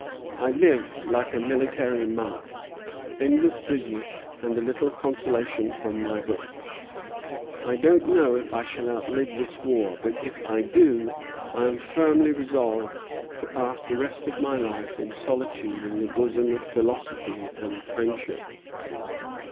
"I live like a military monk. Endless business, and a little consolation from my books. I don't know if I shall outlive this war, but if I do I am firmly resolved to pass the rest of my life in solitude in the bosom of philosophy and friendship.